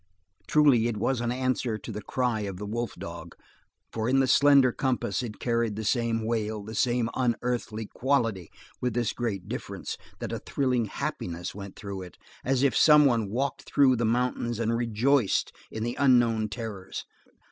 Truly it was an answer to the cry of the wolf dog, for in the slender compass it carried the same wail, the same unearthly quality with this great difference, that a thrilling happiness went through it, as if some one walked through the mountains and rejoiced in the unknown terrors.